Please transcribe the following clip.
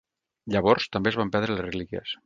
Llavors, també es van perdre les relíquies.